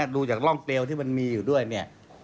ดูจากร่องเปลวที่มันมีอยู่ด้วยเนี่ย